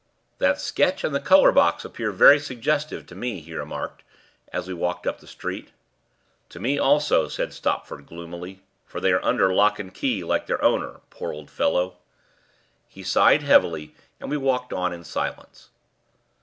"That sketch and the colour box appear very suggestive to me," he remarked, as we walked up the street. "To me also," said Stopford gloomily, "for they are under lock and key, like their owner, poor old fellow." He sighed heavily, and we walked on in silence.